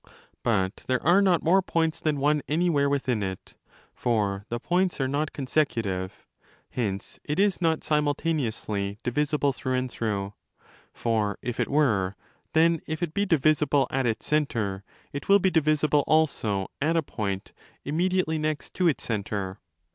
But there are not more points than one axywhere within it, for the points are not 'consecutive': hence it is not simultaneously ' divisible through and through'. For if it were, then, if it be divisible at its centre, it will be divisible also at a point 'immediately next' to its centre.